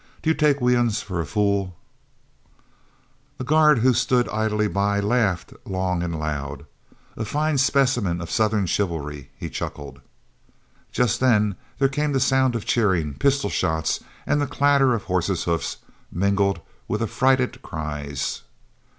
"Do yo' take we uns fo' a fule?" A guard who stood idly by laughed long and loud. "A fine specimen of Southern chivalry," he chuckled. Just then there came the sound of cheering, pistol shots, and the clatter of horses' hoofs, mingled with affrighted cries.